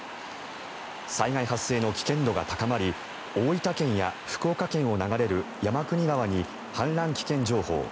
災害発生の危険度が高まり大分県や福岡県を流れる山国川に氾濫危険情報。